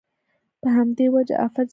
په همدې وجه افت زېږوي.